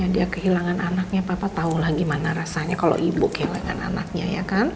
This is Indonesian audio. dia kehilangan anaknya papa tahu lah gimana rasanya kalau ibu kehilangan anaknya ya kan